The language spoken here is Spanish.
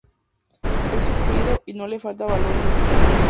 Es sufrido y no le falta valor en los peligros.